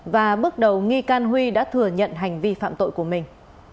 và bước đầu nghi can huy đã thừa nhận hành vi phạm tội của mình